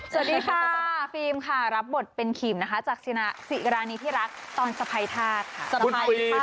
สวัสดีค่ะฟิล์มค่ะรับบทเป็นขิมนะคะจากสิรานีที่รักตอนสะพายทาสค่ะ